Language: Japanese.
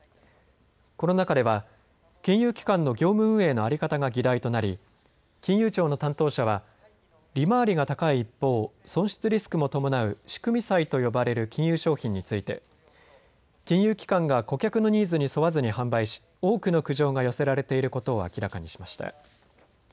この中では金融機関の業務運営の在り方が議題となり、金融庁の担当者は、利回りが高い一方、損失リスクも伴う仕組み債と呼ばれる金融商品について金融機関が顧客のニーズに沿わずに販売し多くの苦情が寄せられていることを明らかにしました。